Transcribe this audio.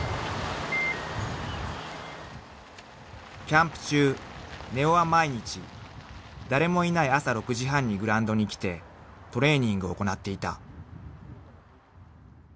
［キャンプ中根尾は毎日誰もいない朝６時半にグラウンドに来てトレーニングを行っていた］